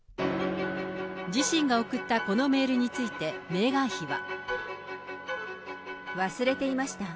自身が送ったこのメールについて、メーガン妃は。